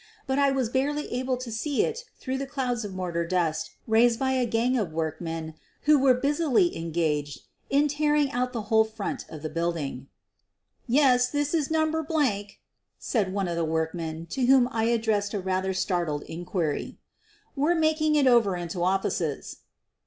But I was barely able to see it through the clouds of mortar dust raised by a gang of workmen who were busily engaged in tearing out the whole front of the building. "Yes, this is No. ," said one of the workmen to whom I addressed a rather startled inquiry. "We're making it over into offices.'